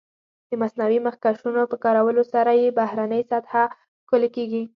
د مصنوعي مخکشونو په کارولو سره یې بهرنۍ سطح ښکلې کېږي.